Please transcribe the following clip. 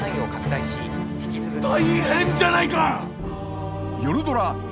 大変じゃないか。